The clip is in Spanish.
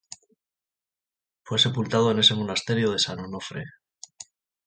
Fue sepultado en ese monasterio de San Onofre.